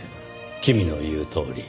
君の言うとおり。